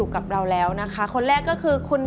สามารถรับชมได้ทุกวัย